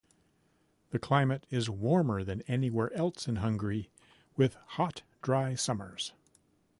The climate is warmer than anywhere else in Hungary, with hot, dry summers.